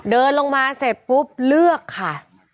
เดินลงมาเสร็จปุ๊บเลือกค่ะ